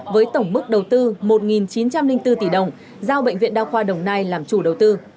với tổng mức đầu tư một chín trăm linh bốn tỷ đồng giao bệnh viện đa khoa đồng nai làm chủ đầu tư